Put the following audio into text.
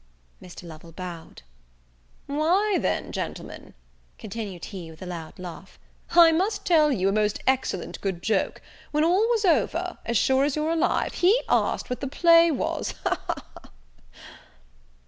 Mr. Lovel bowed. "Why, then, Gentlemen," continued he, with a loud laugh, "I must tell you a most excellent good joke; when all was over, as sure as you're alive, he asked what the play was! Ha, ha, ha!"